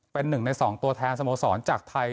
เป็นหนึ่งในสองตัวแทนสมสรรค์จากไทย